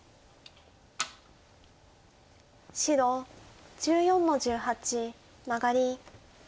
白１４の十八マガリ。